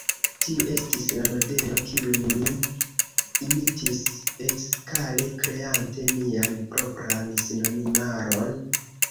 Tiu estis la modelo, kiun mi imitis etskale kreante mian propran sinonimaron.